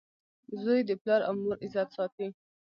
• زوی د پلار او مور عزت ساتي.